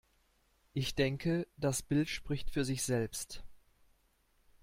Ich denke, das Bild spricht für sich selbst.